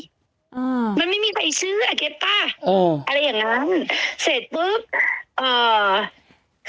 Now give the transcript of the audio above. อ่ามันไม่มีใครซื้ออ่ะเก็บป่ะเอออะไรอย่างงั้นเสร็จปุ๊บเอ่อ